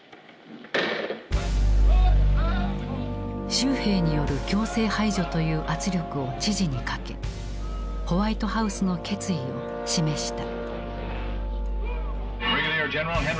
州兵による強制排除という圧力を知事にかけホワイトハウスの決意を示した。